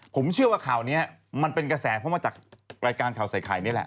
ผมเชื่อว่าข่าวนี้มันเป็นกระแสเพราะมาจากรายการข่าวใส่ไข่นี่แหละ